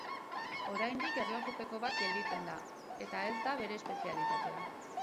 Oraindik erlojupeko bat gelditzen da, eta ez da bere espezialitatea.